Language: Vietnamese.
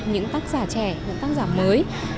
bạn đọc những tác giả trẻ những tác giả mới